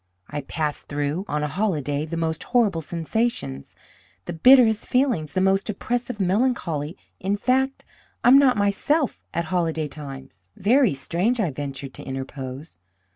I pass through, on a holiday, the most horrible sensations, the bitterest feelings, the most oppressive melancholy; in fact, I am not myself at holiday times." "Very strange," I ventured to interpose.